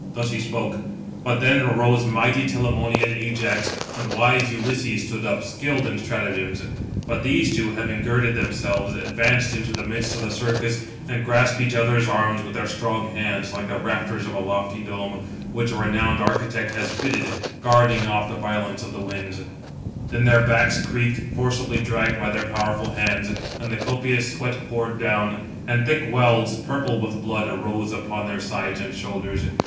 Thus he spoke; but then arose mighty Telamonian Ajax, and wise Ulysses stood up, skilled in stratagems. But these two, having girded themselves, advanced into the midst of the circus, and grasped each other's arms with their strong hands, like the rafters 769 of a lofty dome, which a renowned architect has fitted, guarding off the violence of the winds. Then their backs creaked, forcibly dragged by their powerful hands, and the copious 770 sweat poured down; and thick welds, purple with blood, arose upon their sides and shoulders.